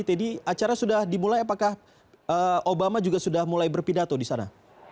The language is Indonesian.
teddy acara sudah dimulai apakah obama juga sudah mulai berpidato di sana